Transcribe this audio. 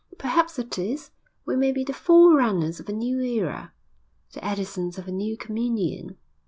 'Perhaps it is. We may be the fore runners of a new era.' 'The Edisons of a new communion!'